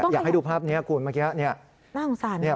อยากให้ดูภาพนี้ครับคุณเมื่อกี้